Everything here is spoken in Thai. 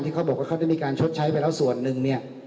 ที่เค้าบอกมีการชดใช้ไปแล้วส่วนนึง